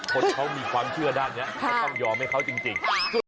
คนเขามีความเชื่อด้านนี้ก็ต้องยอมให้เขาจริง